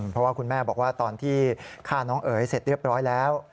เพราะว่าคุณแม่บอกว่าตอนที่ฆ่าน้องเอ๋ยเสร็จเรียบร้อยแล้ว